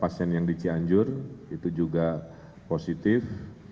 pasien yang di cianjur itu juga positif